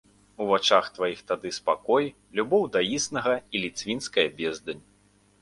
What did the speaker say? У вачах тваіх тады спакой, любоў да існага і ліцвінская бездань.